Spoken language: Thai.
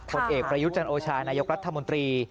ผลเอกประยุทธ์จันโอชานายกรัฐมนตรี